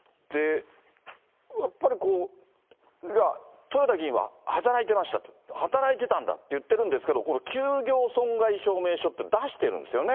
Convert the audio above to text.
やっぱり豊田議員は働いてましたと、働いてたんだと言ってるんですけれども、この休業損害証明書って、出してるんですよね。